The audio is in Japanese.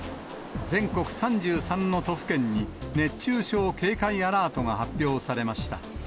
全国３３の都府県に、熱中症警戒アラートが発表されました。